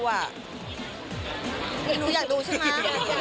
หนูอยากดูใช่ไหม